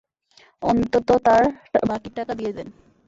অন্তত তার বাকীর টাকা দিয়ে দেন।